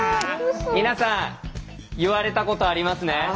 皆さん言われたことありますね？